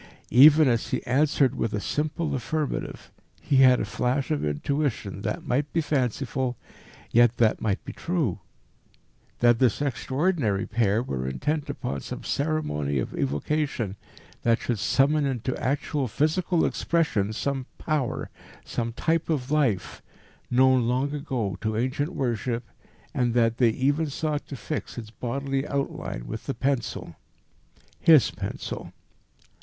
Even as he answered with a simple affirmative, he had a flash of intuition that might be fanciful, yet that might be true: that this extraordinary pair were intent upon some ceremony of evocation that should summon into actual physical expression some Power some type of life known long ago to ancient worship, and that they even sought to fix its bodily outline with the pencil his pencil.